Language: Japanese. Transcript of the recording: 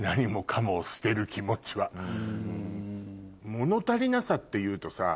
物足りなさっていうとさ